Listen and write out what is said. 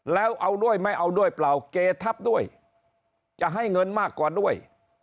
แล้วเอาด้วยไม่เอาด้วยเปล่าเกทับด้วยจะให้เงินมากกว่าด้วย